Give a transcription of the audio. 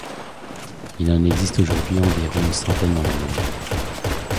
Il en existe aujourd’hui environ une centaine dans le monde.